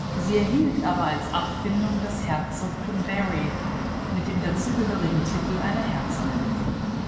Sie erhielt aber als Abfindung das Herzogtum Berry mit dem dazugehörigen Titel einer Herzogin.